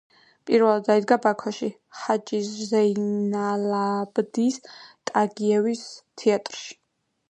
პირველად დაიდგა ბაქოში, ჰაჯი ზეინალაბდინ ტაგიევის თეატრში.